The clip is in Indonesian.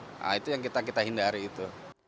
nah itu yang kita hindari itu